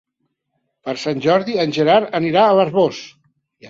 Per Sant Jordi en Gerard anirà a l'Arboç.